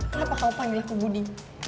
kenapa kamu panggil aku budi